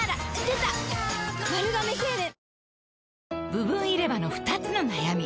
部分入れ歯の２つの悩み